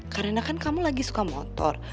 karena kan kamu lagi suka motor